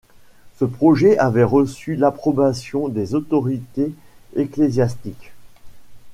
Ce projet avait reçu l'approbation des autorités ecclésiastiques.